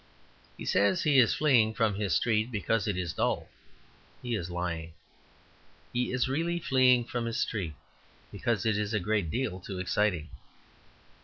He says he is fleeing from his street because it is dull; he is lying. He is really fleeing from his street because it is a great deal too exciting.